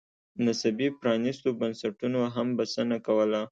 نسبي پرانېستو بنسټونو هم بسنه کوله.